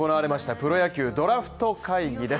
プロ野球ドラフト会議です。